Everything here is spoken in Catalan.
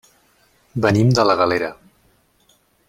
Venim de la Galera.